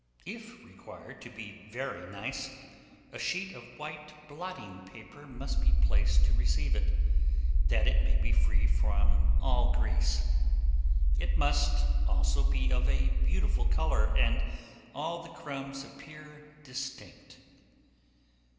If required to be very nice, a sheet of white blotting paper must be placed to receive it, that it may be free from all grease. It must also be of a beautiful colour, and all the crumbs appear distinct.